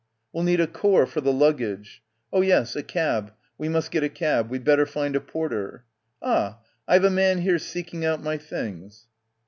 "We'll need a core for the luggage." "Oh yes, a cab. We must get a cab. We'd better find a porter." "Ah, I've a man here seeking out my things."